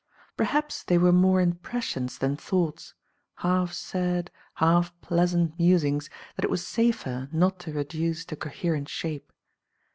Perhaps they were more impressions than thoughts, half sad, half pleasant musings that it was safer not to reduce to coherent shape.